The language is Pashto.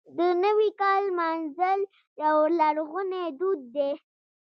د نوي کال لمانځل یو لرغونی دود دی.